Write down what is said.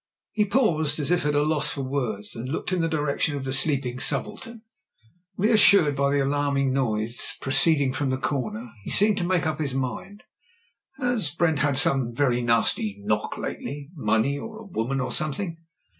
He paused as if at a loss for words, and looked in the direction of the sleeping subaltern. Reassured by the alarming noise proceeding from the comer, he seemed to make up his mind. *'Has Brent had some very nasty knock lately — money, or a woman, or something?"